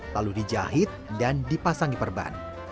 lalu dijahit dan dipasang di perban